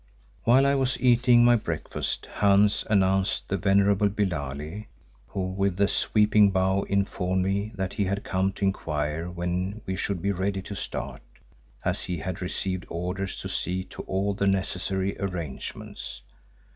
While I was eating my breakfast Hans announced the venerable Billali, who with a sweeping bow informed me that he had come to inquire when we should be ready to start, as he had received orders to see to all the necessary arrangements.